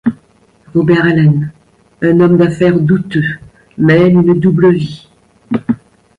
Robert Allen, un homme d'affaires douteux mène une double vie.